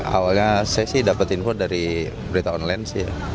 awalnya saya sih dapat info dari berita online sih ya